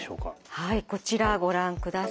はいこちらご覧ください。